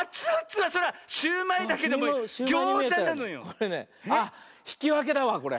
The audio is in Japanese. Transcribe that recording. これねあっひきわけだわこれ。